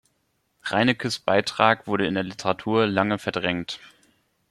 Reineckes Beitrag wurde in der Literatur lange verdrängt.